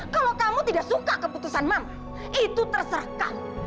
kalau kamu tidak suka keputusan mama itu terserah